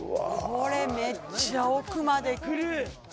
これめっちゃ奥までくる！